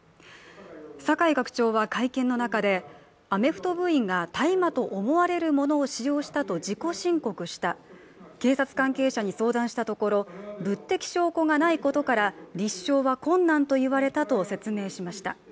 酒井学長は会見の中で、アメフト部員が大麻と思われるものを使用したと自己申告した、警察関係者に相談したところ物的証拠がないことから、立証は困難と言われたと説明しました。